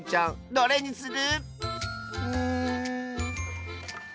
これにする！